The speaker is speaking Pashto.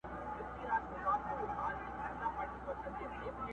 یار لیدل آب حیات دي چاته کله ور رسیږي٫